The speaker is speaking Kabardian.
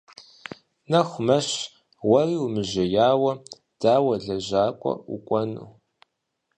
Нэху мэщ, уэри умыжеяуэ дауэ лэжьакӀуэ укӀуэну?